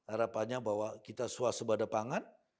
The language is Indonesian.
harapannya bahwa kita swasebada pangan